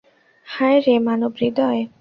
হায় রে, মানবহৃদয়!